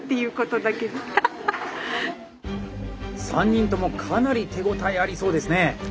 ３人ともかなり手応えありそうですね。